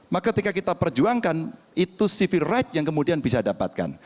maka ketika kita perjuangkan itu civil right yang kemudian bisa dapatkan